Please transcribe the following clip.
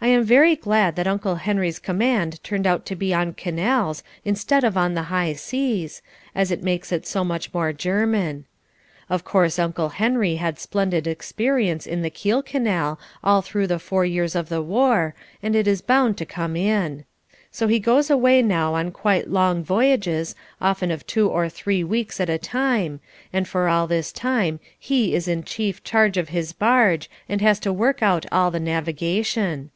I am very glad that Uncle Henry's command turned out to be on canals instead of on the high seas, as it makes it so much more German. Of course Uncle Henry had splendid experience in the Kiel Canal all through the four years of the war, and it is bound to come in. So he goes away now on quite long voyages, often of two or three weeks at a time, and for all this time he is in chief charge of his barge and has to work out all the navigation.